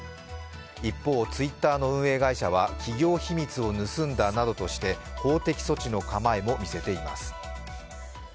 一方、Ｔｗｉｔｔｅｒの運営会社は企業秘密を盗んだなととして法的措置の構えも見せています。